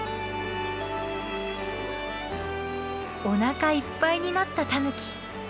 おなかいっぱいになったタヌキ。